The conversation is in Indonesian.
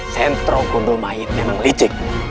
sentro kondomain memang licik